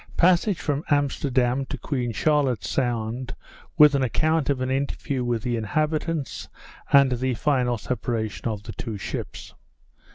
_Passage from Amsterdam to Queen Charlotte's Sound, with an Account of an Interview with the Inhabitants, and the final Separation of the two Ships.